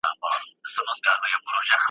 که هر څومره لږه ونډه ور رسیږي ,